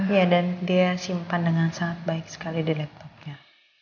iya dan dia simpan dengan sangat baik sekali di laptopnya